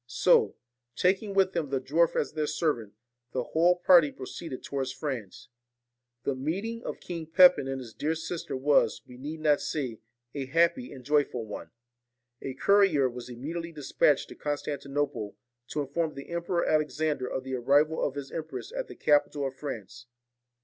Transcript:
So, taking with them the dwarf as their servant, the whole party proceeded towards France. The meeting of King Pepin and his dear sister was, we need not say, a happy and joyful one. A courier was immediately despatched to Constan tinople to inform the Emperor Alexander of the arrival of his empress at the capital of France.